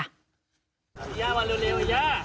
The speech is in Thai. พยามาเร็ว